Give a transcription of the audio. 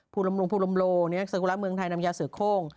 ภูลมโลศักดิ์ภูลละเมืองไทยนำยาเสือโค้ง